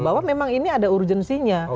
bahwa memang ini ada urgensinya